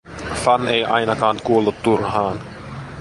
Fan ei ainakaan kuollut turhaan.